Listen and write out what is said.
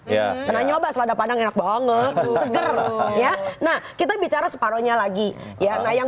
pernah nyoba selada padang enak banget seger ya nah kita bicara separohnya lagi ya nah yang